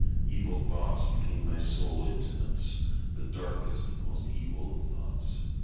Evil thoughts became my sole intimates—the darkest and most evil of thoughts.